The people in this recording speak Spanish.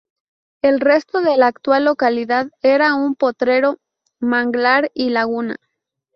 El resto de la actual localidad era un potrero, manglar y laguna.